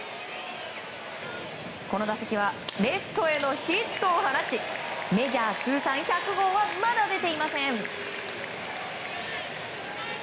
この打席はレフトへのヒットを放ちメジャー通算１００号はまだ出ていません。